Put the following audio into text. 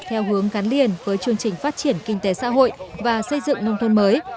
theo hướng gắn liền với chương trình phát triển kinh tế xã hội và xây dựng nông thôn mới